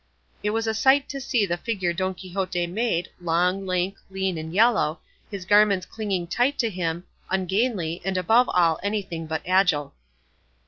It was a sight to see the figure Don Quixote made, long, lank, lean, and yellow, his garments clinging tight to him, ungainly, and above all anything but agile.